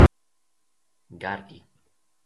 gardi